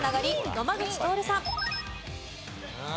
野間口徹さん。